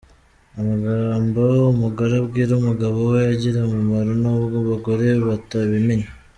Amagambo umugore abwira umugabo we agira umumaro nubwo abagore batabimenya.